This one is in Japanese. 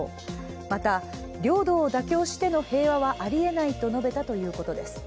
また、領土を妥協しての平和はあり得ないと述べたということです。